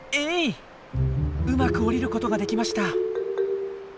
うまく下りることができました。